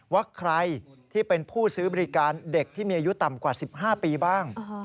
ว่าใครที่เป็นผู้ซื้อบริการเด็กที่มีอายุต่ำกว่า๑๕ปีบ้าง